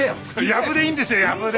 藪でいいんですよ藪で！